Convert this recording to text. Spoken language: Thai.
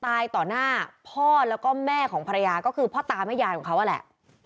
ตายต่อหน้าพ่อแล้วก็แม่ของภรรยาก็คือพ่อตาแม่ยายของเขานั่นแหละ